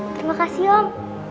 terima kasih om